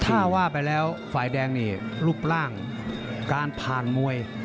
ถ้าว่าไปแล้วฝ่ายแดงนี่รูปร่างการผ่านมวย